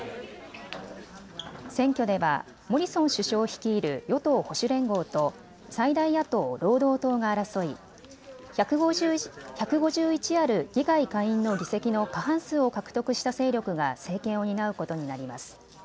選挙ではモリソン首相率いる与党・保守連合と最大野党・労働党が争い１５１ある議会下院の議席の過半数を獲得した勢力が政権を担うことになります。